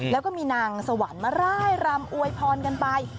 แล้วก็มีนางสวรรค์มาร่ายรำอวยพรกันไป